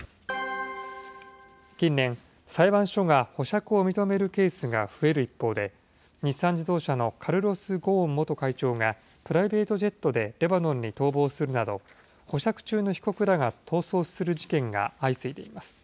近年、裁判所が保釈を認めるケースが増える一方で、日産自動車のカルロス・ゴーン元会長がプライベートジェットでレバノンに逃亡するなど、保釈中の被告らが逃走する事件が相次いでいます。